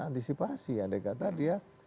antisipasi andai kata dia